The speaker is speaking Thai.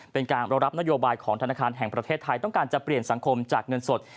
เป็นการรองรับนโยบายของธนาคารแห่งประเทศไทยต้องการจะเปลี่ยนสังคมจากเงินสด